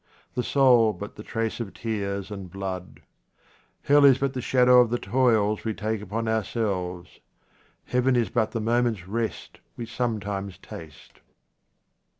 The soul but the trace of tears and blood. Hell is but a shadow of the toils we take upon our selves. Heaven is but the moment's rest we sometimes taste.